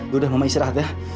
duru dah mama istirahat ya